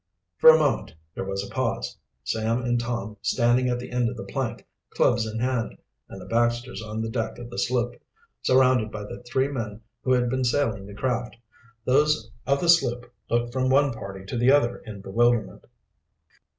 For a moment there was a pause; Sam and Tom standing at the end of the plank, clubs in hand, and the Baxters on the deck of the sloop, surrounded by the three men who had been sailing the craft. Those of the sloop looked from one party to the other in bewilderment.